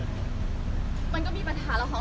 ไม่ใช่นี่คือบ้านของคนที่เคยดื่มอยู่หรือเปล่า